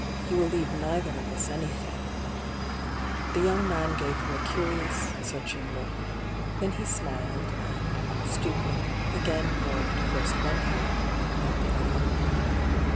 He will leave neither of us any thing r The young man gave her a curious, search ing look. Then he smiled, and, stooping ; again warmed first one hand, then the other.